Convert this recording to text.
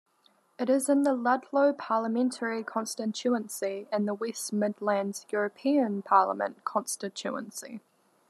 It is in the Ludlow parliamentary constituency and the West Midlands European parliament constituency.